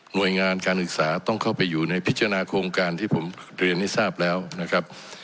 โดยงานการศึกษาต้องเข้าไปอยู่ในพิจารณาโครงการที่ผมเรียนให้ทราบแล้วนะครับ